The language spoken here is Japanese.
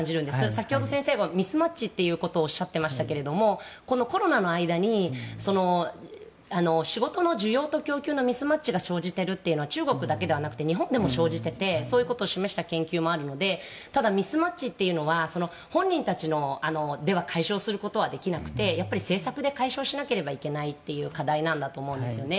先ほど先生もミスマッチとおっしゃっていましたけどコロナの間に、仕事の需要と供給のミスマッチが生じているというのは中国だけではなくて日本でも生じててそういうことを示した研究もあるのでただ、ミスマッチというのは本人たちでは解消することはできなくて政策で解消しなければいけない課題なんだと思うんですよね。